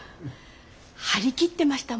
張り切ってました